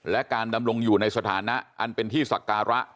และการดำรงอยู่ในสถานะอันเป็นที่ศักระ